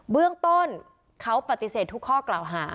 เบื้องต้นเขาปฏิเสธทุกข้อกล่าวหา